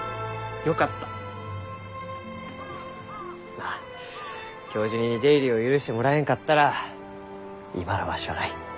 まあ教授に出入りを許してもらえんかったら今のわしはない。